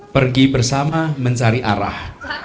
pergi bersama mencari arah